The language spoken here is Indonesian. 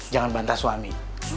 jangan bantah suami